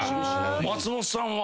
松本さんは？